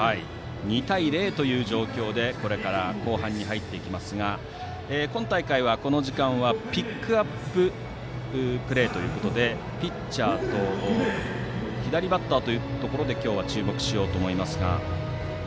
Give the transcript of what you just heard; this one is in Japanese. ２対０という状況で後半に入って行きますが今大会はこの時間はピックアッププレーということでピッチャーと左バッターに今日は注目しようと思います。